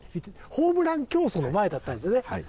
ホームラン競争の前だったんですよね。